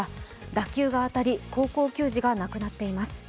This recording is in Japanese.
打球が当たり高校球児が亡くなっています。